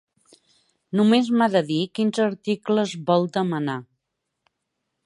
Només m'ha de dir quins articles vol demanar.